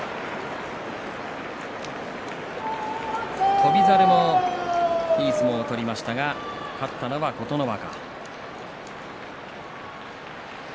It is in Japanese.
翔猿もいい相撲を取りましたが勝ったのは琴ノ若。